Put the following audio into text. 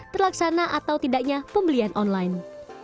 terlaksana atau tidaknya pembelian online